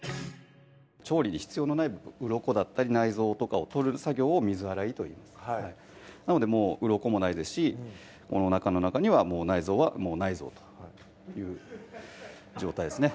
調理に必要のない部分うろこだったり内臓とかを取る作業を水洗いといいますなのでうろこもないですしおなかの中には内臓はもうないぞうという状態ですね